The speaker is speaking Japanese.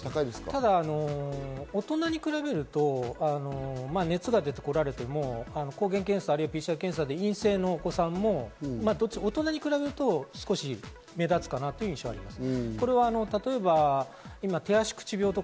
ただ大人と比べると、熱が出てこられても抗原検査、またはＰＣＲ検査で陰性のお子さんも大人に比べると目立つかなという印象はあります。